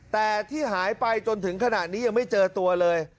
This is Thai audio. แต่ที่หายไปจนถึงขณะนี้ยังไม่เจอตัวเลย